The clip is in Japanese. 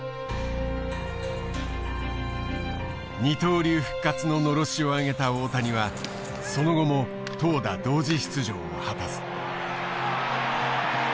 二刀流復活ののろしを上げた大谷はその後も投打同時出場を果たす。